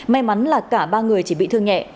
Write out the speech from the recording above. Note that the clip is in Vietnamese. may mắn là cả ba người chỉ bị thương nhẹ